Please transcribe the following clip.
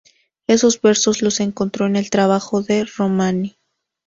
Esos versos los encontró en el trabajo de Romani.